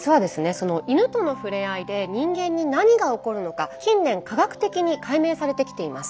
その犬との触れ合いで人間に何が起こるのか近年科学的に解明されてきています。